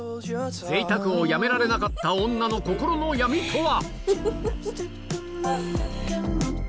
贅沢をやめられなかった女の心の闇とは？